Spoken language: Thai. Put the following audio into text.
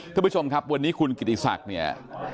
ท่านผู้ชมครับวันนี้คุณกิติศักดิ์เนี่ย